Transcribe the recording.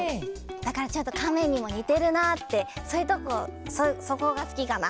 だからちょっとカメにもにてるなってそういうとこそこがすきかな。